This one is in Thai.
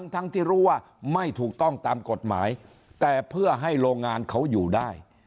ทั้งที่รู้ว่าไม่ถูกต้องตามกฎหมายแต่เพื่อให้โรงงานเขาอยู่ได้